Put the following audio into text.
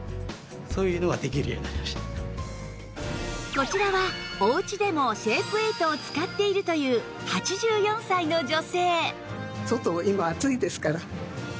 こちらはお家でもシェイプエイトを使っているという８４歳の女性